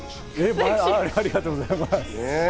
えへ、ありがとうございます。